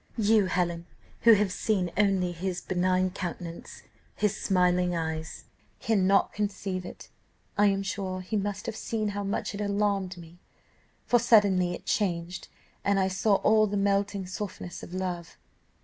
You, Helen, who have seen only his benign countenance, his smiling eyes, cannot conceive it. I am sure he must have seen how much it alarmed me, for suddenly it changed, and I saw all the melting softness of love.